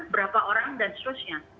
berapa orang dan seterusnya